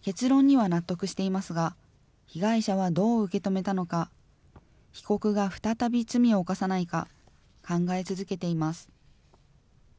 結論には納得していますが、被害者はどう受け止めたのか、被告が再び罪を犯さないか、考え続けています。